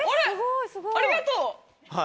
ありがとう！